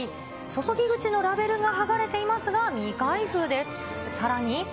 注ぎ口のラベルがはがれていますが、未開封です。